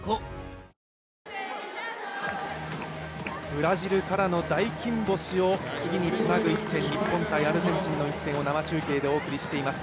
ブラジルからの勝利を次につなぐ一戦、日本×アルゼンチンの一戦を生中継でお届けしています